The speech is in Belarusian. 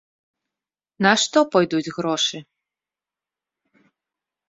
На што пойдуць грошы?